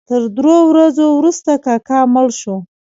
تر درو ورځو وروسته کاکا مړ شو.